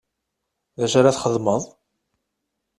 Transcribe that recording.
D acu ara txedmeḍ?